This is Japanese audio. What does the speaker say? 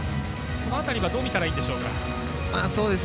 この辺りはどう見たらいいんでしょうか。